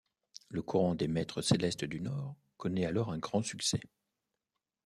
Le courant des Maîtres célestes du Nord connait alors un grand succès.